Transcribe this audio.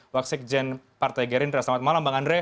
waksek jen partai gerindra selamat malam bang andre